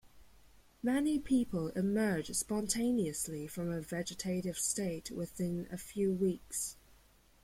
Many people emerge spontaneously from a vegetative state within a few weeks.